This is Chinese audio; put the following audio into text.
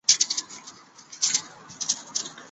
尾张国井关城城主。